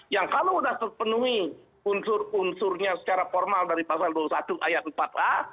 yang kalau sudah terpenuhi unsur unsurnya secara formal dari pasal dua puluh satu ayat empat a